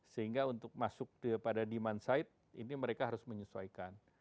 sehingga untuk masuk kepada demand side ini mereka harus menyesuaikan